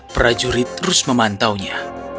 prajurit terus memantaunya